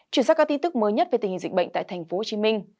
chuyển sang các tin tức mới nhất về tình hình dịch bệnh tại tp hcm